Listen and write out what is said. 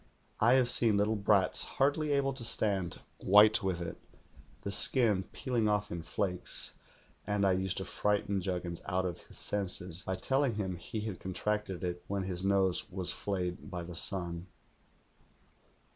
I have seen little brats, hardly able to stand, white with it, the skin peeling off in flakes, and I used to frighten Jug gins out of his senses by telling him he had contracted it when his nose was flayed by the sun.